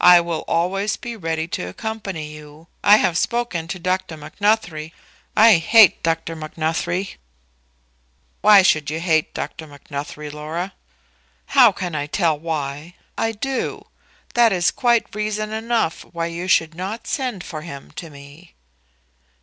I will always be ready to accompany you. I have spoken to Dr. Macnuthrie " "I hate Dr. Macnuthrie." "Why should you hate Dr. Macnuthrie, Laura?" "How can I tell why? I do. That is quite reason enough why you should not send for him to me."